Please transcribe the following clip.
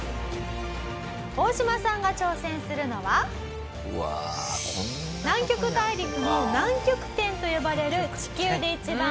オオシマさんが挑戦するのは南極大陸の南極点と呼ばれる地球で一番